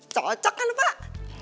cocok kan pak